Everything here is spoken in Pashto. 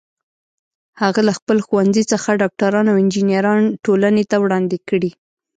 هغه له خپل ښوونځي څخه ډاکټران او انجینران ټولنې ته وړاندې کړي